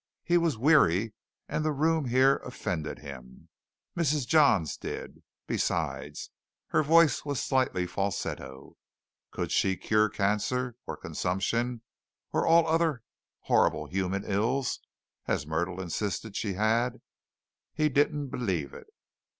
He was weary and the room here offended him. Mrs. Johns did. Besides, her voice was slightly falsetto. Could she cure cancer? and consumption? and all other horrible human ills, as Myrtle insisted she had? He didn't believe it.